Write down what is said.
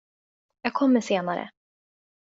Jag kommer senare.